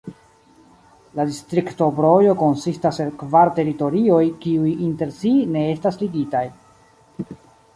La distrikto Brojo konsistas el kvar teritorioj, kiuj inter si ne estas ligitaj.